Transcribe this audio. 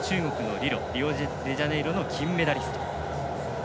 リオデジャネイロの金メダリスト。